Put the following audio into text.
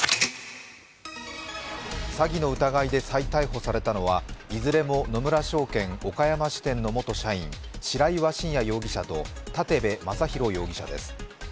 詐欺の疑いで再逮捕されたのはいずれも野村証券岡山支店の元社員、白岩伸也容疑者と建部昌弘容疑者です。